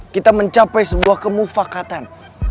kita mencapai sebuah kemufakatan